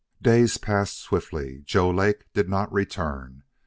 Days passed swiftly. Joe Lake did not return.